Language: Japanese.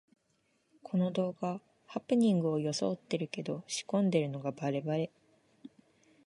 この動画、ハプニングをよそおってるけど仕込んでるのがバレバレ